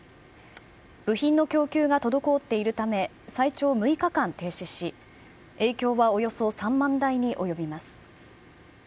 部品の供給が滞っているため、最長６日間停止し、影響はおよそ３万台に及びます。